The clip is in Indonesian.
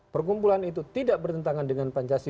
perkumpulan itu tidak bertentangan dengan pancasila